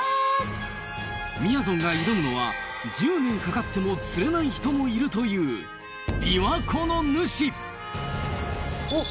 みやぞんが挑むのは１０年かかっても釣れない人もいるというおっ！